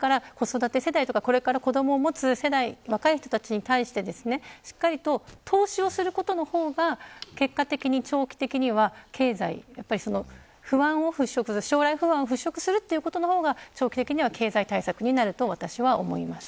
子育て世代とかこれから子どもを持つ若い世代に対してしっかりと投資をすることの方が結果的に、長期的には不安を払拭するということの方が長期的には経済対策になると思います。